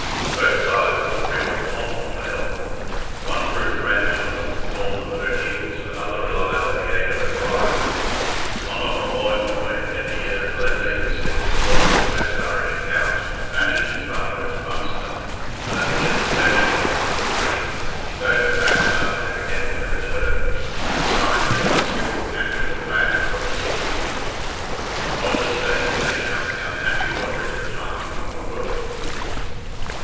Both sides looked beyond Connaught for help; one drew friends from the northern O'Neills, another relied on the aid of O'Brien. Conor Moinmoy, in the year 1186, according to most Irish accounts, banished his father into Munster, but at the intercession of the Sil Murray, his own clan allowed him again to return, and assigned him a single cantred of land for his subsistence. From this date we may count the unhappy Roderick's retirement from the world.